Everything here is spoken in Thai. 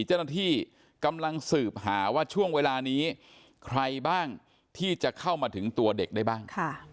เจ้าหน้าที่กำลังสืบหาว่าช่วงเวลานี้ใครบ้างที่จะเข้ามาถึงตัวเด็กได้บ้าง